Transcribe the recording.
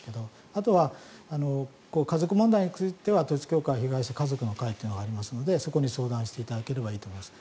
あとは家族問題については統一教会被害者家族の会というのがありますのでそこに相談していただければいいと思います。